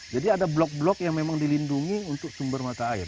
jadi ada blok blok yang memang dilindungi untuk sumber mata air